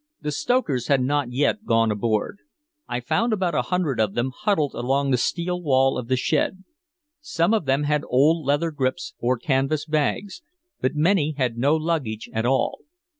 The stokers had not yet gone aboard. I found about a hundred of them huddled along the steel wall of the shed. Some of them had old leather grips or canvas bags, but many had no luggage at all.